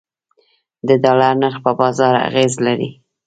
د ډالر نرخ په بازار اغیز لري